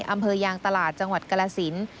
อำเภอยางตลาดจังหวัดกรสิน